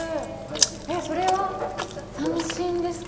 えっそれは三線ですか？